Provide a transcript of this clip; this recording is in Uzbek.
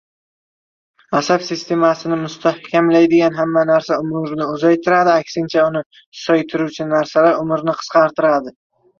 Asab sistemasini mustahkamlaydigan hamma narsa umrni uzaytiradi, aksincha, uni susaytiruvchi narsalar umrni qisqartiradi.